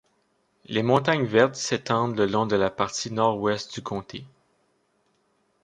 Les montagnes vertes s'étendent le long de la partie nord-ouest du comté.